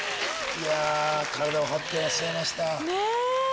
いや体を張ってらっしゃいました。